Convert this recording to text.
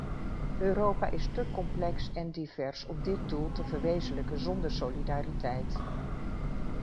Europa is te complex en divers om dit doel te verwezenlijken zonder solidariteit.